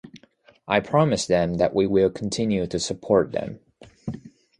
I promise them that we will continue to support them.